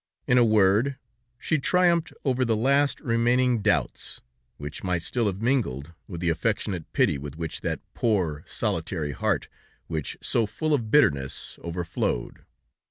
In a word, she triumphed over the last remaining doubts, which might still have mingled with the affectionate pity with which that poor, solitary heart, which, so full of bitterness, overflowed.